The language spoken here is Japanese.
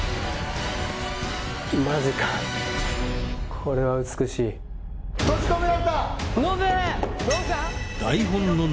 マジかこれは美しい閉じ込められたノブ！